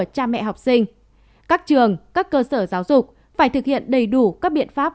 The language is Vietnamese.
các trường các cơ sở giáo dục phải thực hiện đầy đủ các biện pháp